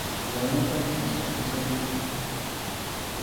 Warmitapas maskhapusaykiku.